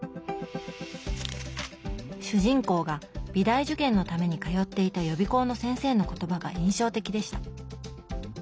主人公が美大受験のために通っていた予備校の先生の言葉が印象的でした。